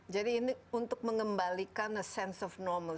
jadi ini untuk mengembalikan a sense of normal